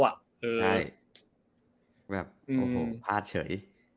ใช่แบบโอ้โหพลาดเฉย